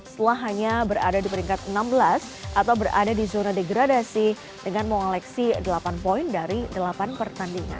setelah hanya berada di peringkat enam belas atau berada di zona degradasi dengan mengoleksi delapan poin dari delapan pertandingan